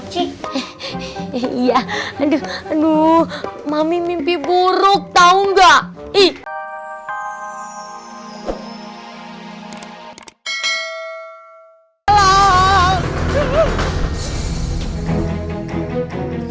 capek aduh bareng kawan pereka gtr lagi jalan sendirian tiba tiba